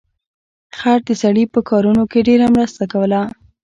خر د سړي په کارونو کې ډیره مرسته کوله.